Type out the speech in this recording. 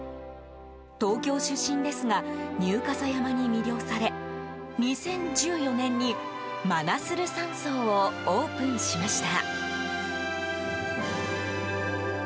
東京出身ですが入笠山に魅了され２０１４年にマナスル山荘をオープンしました。